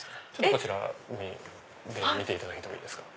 こちら見ていただいてもいいですか。